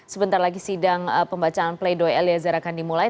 sebentar lagi sidang pembacaan play doh eliezer akan dimulai